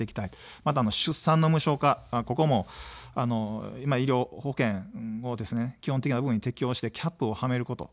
また、出産の無償化、ここも医療保険を基本的に適用してキャップをはめること。